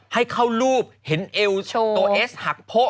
ให้เขาลูบเห็นเอร์โอเอสหักโผ้